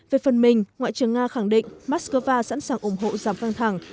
về phần mình ngoại trưởng nga khẳng định moscow sẵn sàng ủng hộ giám vang thẳng